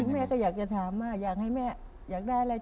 แม่ก็อยากจะถามมาอยากให้แม่